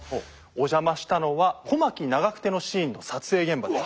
お邪魔したのは小牧・長久手のシーンの撮影現場です。